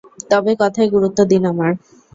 তবে কথায় গুরুত্ব দিন আমার।